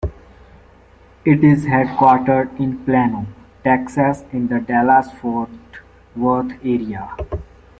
It is headquartered in Plano, Texas in the Dallas-Fort Worth area.